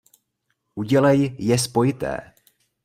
Udělej je spojité.